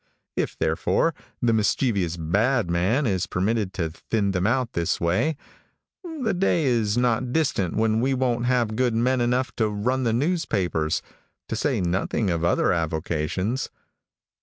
If, therefore, the mischievous bad man is permitted to thin them out this way, the day is not distant when we won't have good men enough to run the newspapers, to say nothing of other avocations.